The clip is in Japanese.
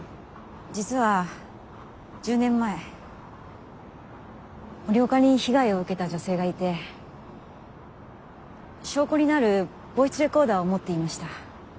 実は１０年前森岡に被害を受けた女性がいて証拠になるボイスレコーダーを持っていました。